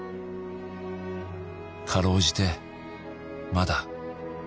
「かろうじてまだ」